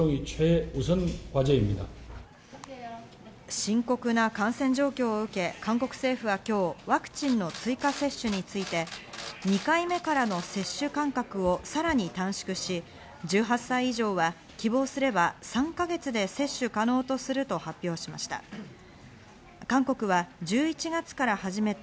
深刻な感染状況を受け、韓国政府は今日、ワクチンの追加接種について２回目からの接種間隔をさらに短縮し、１８歳以上は希望すれば３か月で接種可能とすると発表しました。